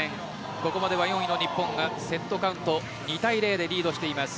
ここまでは４位の日本がセットカウント、２対０でリードしています。